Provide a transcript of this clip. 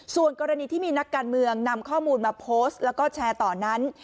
ส่วนกรณีที่มีนักการเมืองนำข้อมูลมาโพสต์แล้วก็แชร์ต่อนั้น